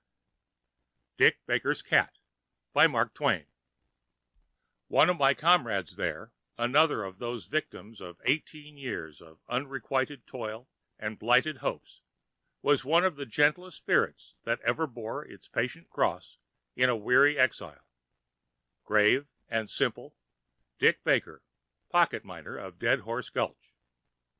[Pg 144] DICK BAKER'S CAT One of my comrades there—another of those victims of eighteen years of unrequited toil and blighted hopes—was one of the gentlest spirits that ever bore its patient cross in a weary exile: grave and simple Dick Baker, pocket miner of Dead Horse Gulch.